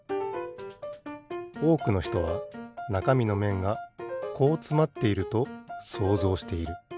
おおくのひとはなかみのめんがこうつまっていると想像している。